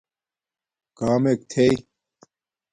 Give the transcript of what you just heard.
کامک تھݵ